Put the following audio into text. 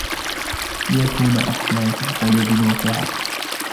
لِيَكُونَ أَحْلَى فِي الْقُلُوبِ مَوْقِعًا